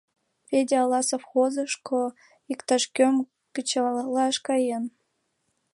— Федя ала совхозышко иктаж-кӧм кычалаш каен.